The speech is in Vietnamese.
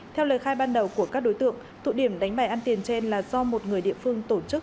theo lời khai ban đầu của các đối tượng thụ điểm đánh bài ăn tiền trên là do một người địa phương tổ chức